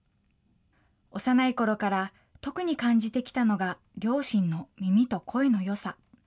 幼いころから特に感じてきたのが、両親の耳と声のよさ。